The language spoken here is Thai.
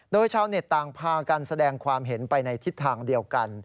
โดยชาวเน็ตต่างพากันแสดงความเห็นไปในทิศทางเดียวกัน